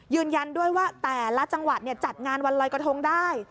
ยืนยันด้วยว่าแต่ละจังหวัดจัดงานวันลอยกระทงได้